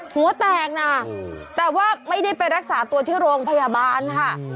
หัวแตกนะแต่ว่าไม่ได้ไปรักษาตัวที่โรงพยาบาลค่ะ